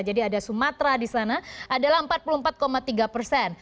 jadi ada sumatera di sana adalah empat puluh empat tiga persen